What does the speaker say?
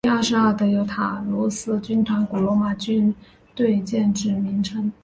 第二十二德尤塔卢斯军团古罗马军队建制名称。